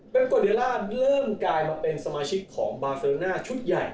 เป็นโกเดล่าเริ่มกลายมาเป็นสมาชิกของบาเซอร์น่าชุดใหญ่